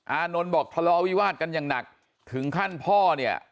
อานนท์บอกทะเลาวิวาสกันอย่างหนักถึงขั้นพ่อเนี่ย